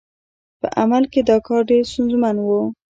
په عمل کې دا کار ډېر ستونزمن و.